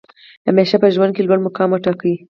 همېشه په ژوند کښي لوړ مقام وټاکئ!